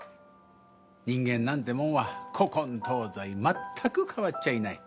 人間なんてもんは古今東西全く変わっちゃいない。